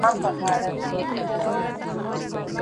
په روغتون کي شل پنځه ویشت شپې دېره سو